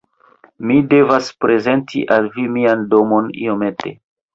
Mi devas prezenti al vi mian domon iomete.